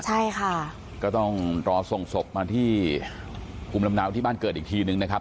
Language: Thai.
ใช่ค่ะก็ต้องรอส่งศพมาที่ภูมิลำเนาที่บ้านเกิดอีกทีนึงนะครับ